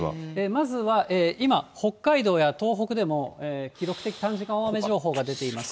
まずは今、北海道や東北でも記録的短時間大雨情報が出ています。